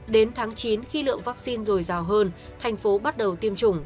đến tháng chín khi lượng vaccine dồi dào hơn thành phố bắt đầu tiêm chủng